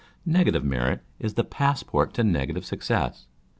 Negative merit is the passport to negative success.